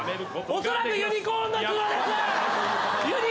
恐らくユニコーンの角です。